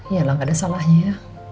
ya lah gak ada salahnya